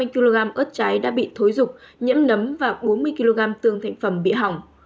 một mươi kg ớt trái đã bị thối rục nhiễm nấm và bốn mươi kg tương thành phẩm bị hỏng